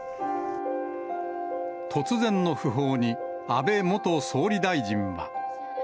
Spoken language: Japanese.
突然の訃報に、安倍元総理大臣は。